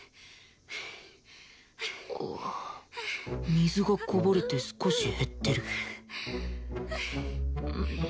水がこぼれて少し減ってる